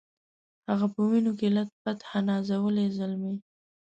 هغه په وینو کي لت پت ها نازولی زلمی